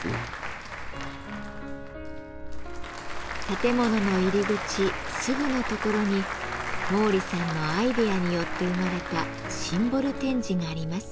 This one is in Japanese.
建物の入り口すぐのところに毛利さんのアイデアによって生まれたシンボル展示があります。